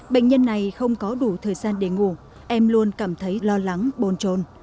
bệnh nhân này không có đủ thời gian để ngủ em luôn cảm thấy lo lắng bồn trồn